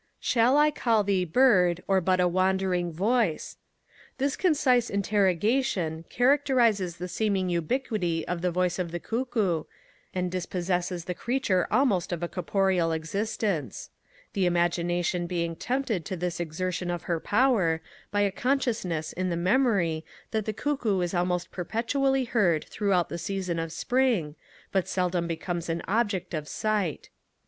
Shall I call thee Bird, Or but a wandering Voice? This concise interrogation characterizes the seeming ubiquity of the voice of the cuckoo, and dispossesses the creature almost of a corporeal existence; the Imagination being tempted to this exertion of her power by a consciousness in the memory that the cuckoo is almost perpetually heard throughout the season of spring, but seldom becomes an object of sight.